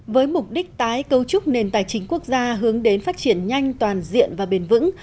với mục đích tái cấu trúc nền tài chính quốc gia hướng đến phát triển nhanh toàn diện và bền vững